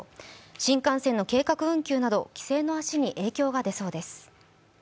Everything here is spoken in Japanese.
新幹線の計画運休など帰省の足に影響が出そうです。